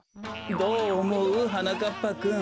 どうおもう？はなかっぱくん。